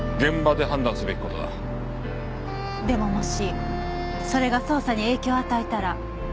でももしそれが捜査に影響を与えたら。